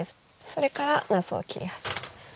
それからなすを切り始め。